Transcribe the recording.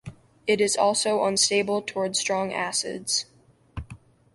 It is also unstable toward strong acids.